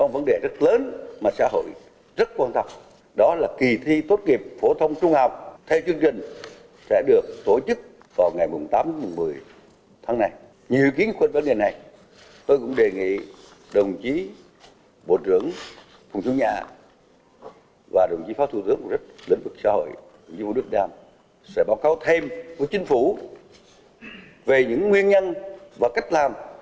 bộ giáo dục đào tạo sẽ báo cáo thêm của chính phủ về những nguyên nhân và cách làm